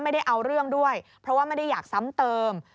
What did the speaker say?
ไม่ได้เอาเรื่องด้วยเพราะว่าไม่ได้อยากซ้ำเติม